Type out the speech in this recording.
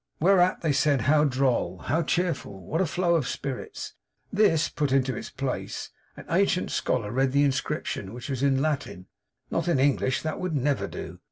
Whereat they said how droll, how cheerful, what a flow of spirits! This put into its place, an ancient scholar read the inscription, which was in Latin; not in English; that would never do.